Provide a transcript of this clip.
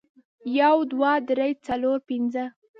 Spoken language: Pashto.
یو، دوه، درې، څلور، پنځه